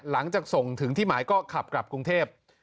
หลังจากส่งถึงที่หมายก็ขับกลับกรุงเทพ